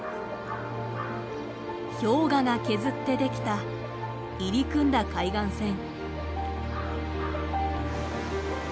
氷河が削ってできた入り組んだ海岸線。